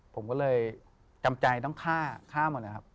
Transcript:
ผมก็เลยจำใจต้องฆ่าฆ่าหมดนะครับ